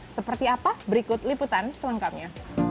seperti apa berikut liputan selengkapnya